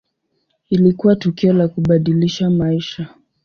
Ilikuwa tukio la kubadilisha maisha.